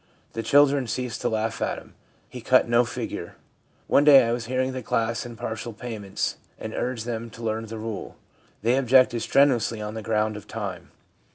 The children ceased to laugh at him ; he cut no figure. One day I was hearing the class in partial pay ments, and urged them to learn the rule. They objected strenuously on the ground of time.